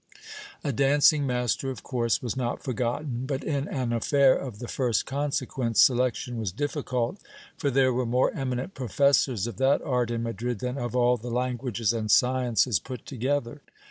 A dancing master of course was not forgotten; but in an affair of the first consequence, selection was difficult, for there were more eminent professors of that art in Madrid than of all the languages and sciences put together.